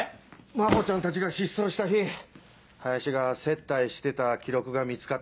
真帆ちゃんたちが失踪した日林が接待してた記録が見つかった。